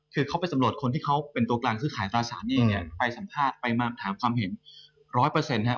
คือเขาไปสำรวจคนที่เขาเป็นตัวกลางคือขายตราสารหนี้เนี่ยไปสัมภาษณ์ไปมาถามความเห็นร้อยเปอร์เซ็นต์ครับ